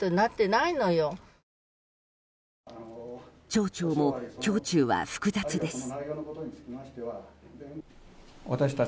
町長も胸中は複雑です。